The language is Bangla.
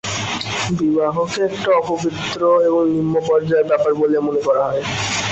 বিবাহকে একটা অপবিত্র, একটা নিম্ন পর্যায়ের ব্যাপার বলিয়া মনে করা হয়।